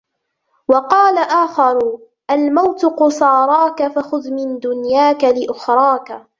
وَقَالَ آخَرُ الْمَوْتُ قُصَارَاك ، فَخُذْ مِنْ دُنْيَاك لِأُخْرَاك